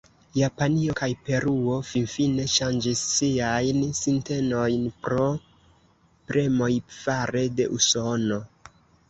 Japanio kaj Peruo finfine ŝanĝis siajn sintenojn pro premoj fare de Usono.